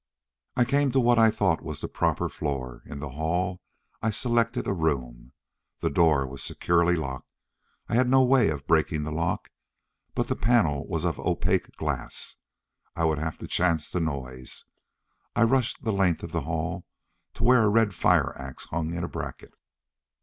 I came to what I thought was the proper floor. In the hall I selected a room. The door was securely locked. I had no way of breaking the lock, but the panel was of opaque glass. I would have to chance the noise. I rushed the length of the hall, to where a red fire ax hung in a bracket.